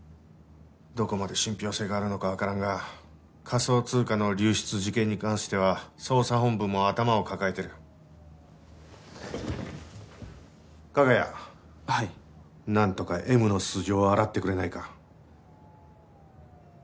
どこまで信憑性があるのか分からんが仮想通貨の流出事件に関しては捜査本部も頭を抱えてる加賀谷はいなんとかＭの素性を洗ってくれないか？